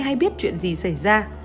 không ai hay biết chuyện gì xảy ra